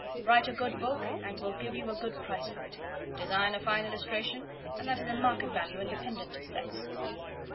Write a good book, and will give you a good price for it: design a fine illustration, and that has a market value independent of sex."